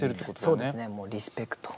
そうですねもうリスペクト。